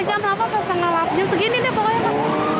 jam delapan atau tengah delapan jam segini deh pokoknya mas